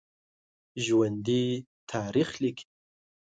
ژوندي تاریخ لیکي